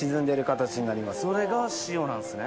それが塩なんすね。